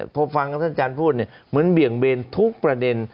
พอฟังท่านพูดเหมือนเบี่ยงเบนทุกประเด็น